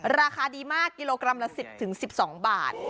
ราคาดีมากกิโลกรัมละ๑๐๑๒บาท